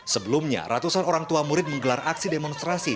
sebelumnya ratusan orang tua murid menggelar aksi demonstrasi